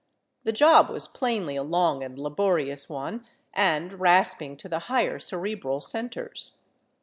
The job was plainly a long and laborious one, and rasping to the higher cerebral centers.